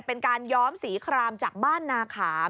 เป็นการย้อมสีครามจากบ้านนาขาม